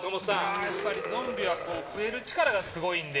やっぱりゾンビは増える力がすごいので。